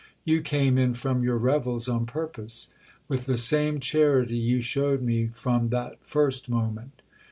"You came in from your revels on purpose—with the same charity you showed me from that first moment?"